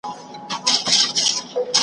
یو انار او سل بیمار